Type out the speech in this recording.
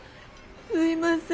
すいません